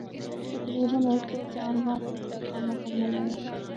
تقریبا ہک سو سال بعد اس دا کم مکمل ہویا۔